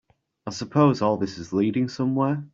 I suppose all this is leading somewhere?